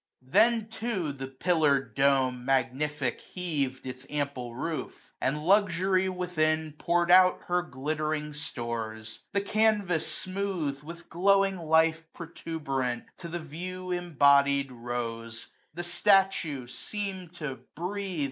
Then, too, the pillar'd dome, magnific, heav d Its ample roof; and Luxury within 135 Pour'd out her glittering stores : the canvas smooth^ Witfi glowing life protuberant, to the view Embodied rose ; the statue seem*d to breathe.